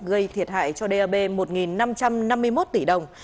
gây thiệt hại cho dap một năm trăm năm mươi một tỷ đồng